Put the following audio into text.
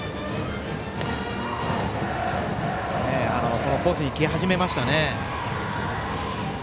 このコースに来始めました。